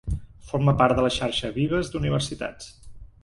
Forma part de la Xarxa Vives d'Universitats.